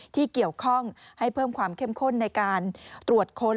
ที่เกี่ยวข้องให้เพิ่มความเข้มข้นในการตรวจค้น